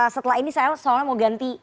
setelah ini saya soalnya mau ganti